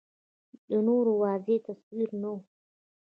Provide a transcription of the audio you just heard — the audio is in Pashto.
د نورو واضح تصویر نه و